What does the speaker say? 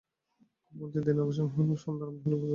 কখন যে দিনের অবসান হইল, ও সন্ধ্যার আরম্ভ হইল বুঝা গেল না।